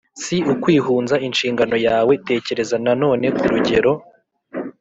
Si ukwihunza inshingano yawe tekereza nanone ku rugero